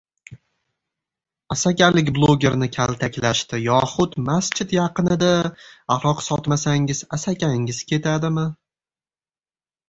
Asakalik blogerni kaltaklashdi yoxud "Masjid yaqinida aroq sotmasangiz, "Asakangiz ketadimi?"